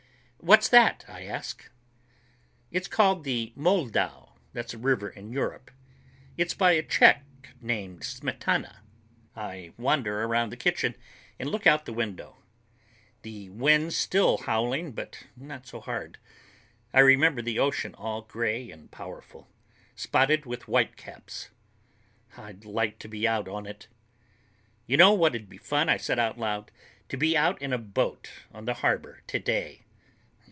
"What's that?" I ask. "It's called 'The Moldau'—that's a river in Europe. It's by a Czech named Smetana." I wander around the kitchen and look out the window. The wind's still howling, but not so hard. I remember the ocean, all gray and powerful, spotted with whitecaps. I'd like to be out on it. "You know what'd be fun?" I say out loud. "To be out in a boat on the harbor today.